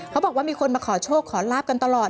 เขาบอกว่ามีคนมาขอโชคขอลาบกันตลอด